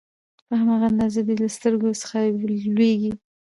په هماغه اندازه دې له سترګو څخه لوييږي